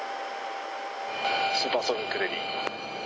スーパーソニックレディー。